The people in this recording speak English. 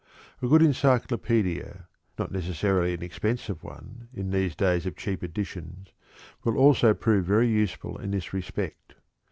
A good encyclopedia (not necessarily an expensive one, in these days of cheap editions) will also prove very useful in this respect.